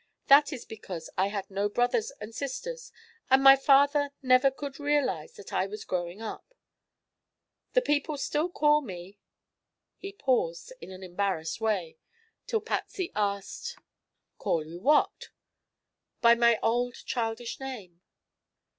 That is because I had no brothers and sisters, and my father never could realize that I was growing up. The people still call me " He paused, in an embarrassed way, till Patsy asked: "Call you what?" "By my old childish name."